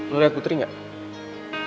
lo liat putri gak